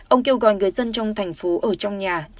ông kêu gọi người dân trong thành phố ở trong nhà